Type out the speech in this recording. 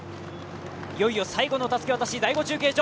いよいよ最後のたすき渡し、第５中継所。